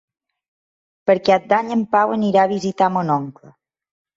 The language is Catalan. Per Cap d'Any en Pau anirà a visitar mon oncle.